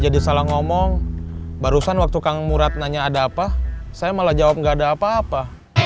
jadi salah ngomong barusan waktu kang murad nanya ada apa saya malah jawab gak ada apa apa